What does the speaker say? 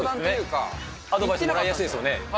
アドバイスもらいやすいですよね。